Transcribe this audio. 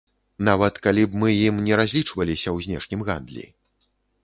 Нават калі б мы ім не разлічваліся ў знешнім гандлі.